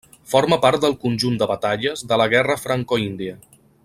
Forma part del conjunt de batalles de la Guerra Franco-Índia.